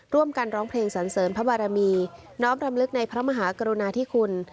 ร้องเพลงสันเสริมพระบารมีน้อมรำลึกในพระมหากรุณาธิคุณ